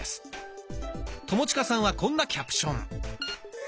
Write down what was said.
友近さんはこんなキャプション。